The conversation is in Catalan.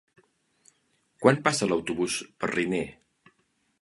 Quan passa l'autobús per Riner?